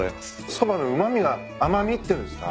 そばのうま味が甘味っていうんですか？